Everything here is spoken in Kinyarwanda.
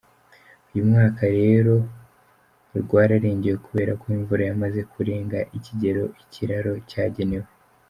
Uyu mwaka rero rwararengewe kubera ko imvura yamaze kurenga ikigero ikiraro cyagenewe.